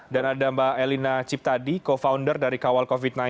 dan ada mbak elina ciptadi co founder dari kawal covid sembilan belas